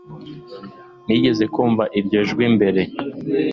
nigeze kumva iryo jwi mbere